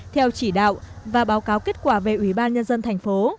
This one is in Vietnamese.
theo chỉ đạo và báo cáo kết quả về ủy ban nhân dân thành phố